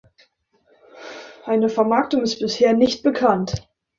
Eine Vermarktung ist bisher nicht bekannt.